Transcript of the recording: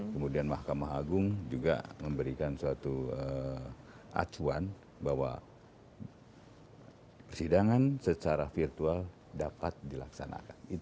kemudian mahkamah agung juga memberikan suatu acuan bahwa persidangan secara virtual dapat dilaksanakan